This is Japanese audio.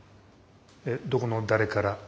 えどこの誰から？